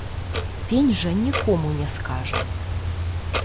Пень жа нікому не скажа.